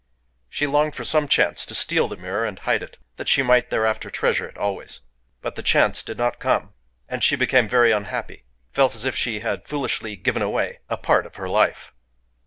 She longed for some chance to steal the mirror, and hide it,—that she might thereafter treasure it always. But the chance did not come; and she became very unhappy,—felt as if she had foolishly given away a part of her life.